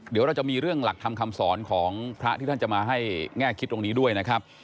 เดี๋ยวเราจะมีเรื่องหลักธรรมคำสอนของพระที่ท่านจะมาให้แง่คิดตรงนี้ด้วยนะครับ